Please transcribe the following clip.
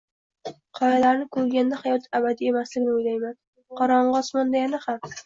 qoyalarni ko'rganda hayot abadiy emasligini o'ylayman. Qorong'i osmonda yana ham